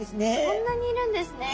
そんなにいるんですね。